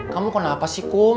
kamu kenapa sih kum